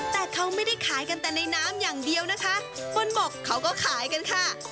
แต่เขาไม่ได้ขายกันแต่ในน้ำอย่างเดียวนะคะคนบกเขาก็ขายกันค่ะ